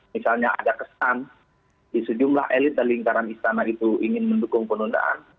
misalnya ada kesan di sejumlah elit dan lingkaran istana itu ingin mendukung penundaan